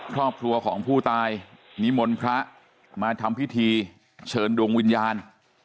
ครอบครัวของผู้ตายนิมนต์พระมาทำพิธีเชิญดวงวิญญาณ